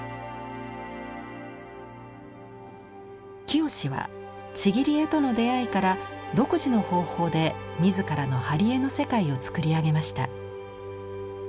清はちぎり絵との出会いから独自の方法で自らの貼絵の世界を作り上げました。